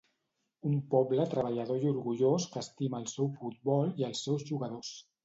Un poble treballador i orgullós que estima el seu futbol i els seus jugadors.